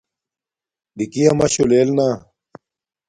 نِکݵ یݳ مَشُݸ لݵل نݳ.